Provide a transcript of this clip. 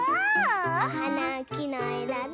おはなをきのえだで。